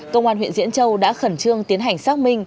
công an huyện diễn châu đã khẩn trương tiến hành xác minh